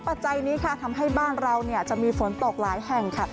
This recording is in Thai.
ปัจจัยนี้ค่ะทำให้บ้านเราจะมีฝนตกหลายแห่งค่ะ